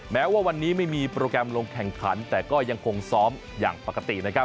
แม้ว่าวันนี้ไม่มีโปรแกรมลงแข่งขันแต่ก็ยังคงซ้อมอย่างปกตินะครับ